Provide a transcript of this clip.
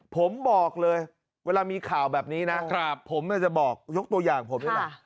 ผมบอกเลยเวลามีข่าวแบบนี้นะผมจะบอกยกตัวอย่างผมนี่แหละ